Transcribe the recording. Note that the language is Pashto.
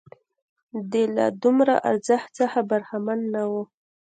دا له دومره ارزښت څخه برخمن نه وو